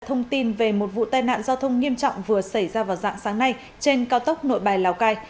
thông tin về một vụ tai nạn giao thông nghiêm trọng vừa xảy ra vào dạng sáng nay trên cao tốc nội bài lào cai